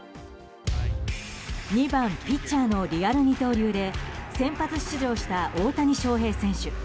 ２番ピッチャーのリアル二刀流で先発出場した大谷翔平選手。